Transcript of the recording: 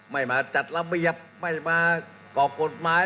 ไม่มาจัดลำเบียบไม่มากรอกกฎหมาย